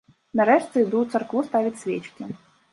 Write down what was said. Нарэшце, іду ў царкву ставіць свечкі.